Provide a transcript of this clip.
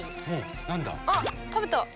あっ食べた！